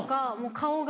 顔が？